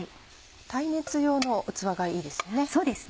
耐熱用の器がいいですよね？